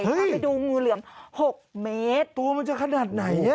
ถ้าไปดูงูเหลือม๖เมตรตัวมันจะขนาดไหน